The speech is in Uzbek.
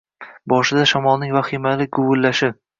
Boshida shamolning vahimali guvillashi…